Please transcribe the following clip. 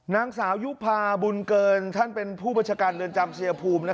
นางสาวยุภาบุญเกินท่านเป็นผู้บัญชาการเรือนจำชายภูมิ